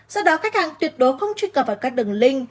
do đó khách hàng tuyệt đối không truy cập vào các đường link